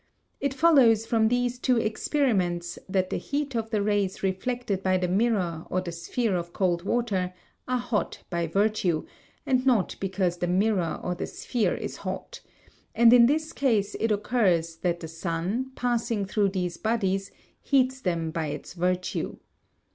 It follows from these two experiments that the heat of the rays reflected by the mirror or the sphere of cold water are hot by virtue, and not because the mirror or the sphere is hot; and in this case it occurs that the sun, passing through these bodies, heats them by its virtue.